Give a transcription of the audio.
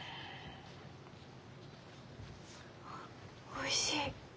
おいしい。